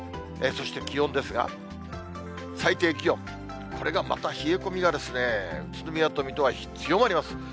そして気温ですが、最低気温、これがまた冷え込みが、宇都宮と水戸は強まります。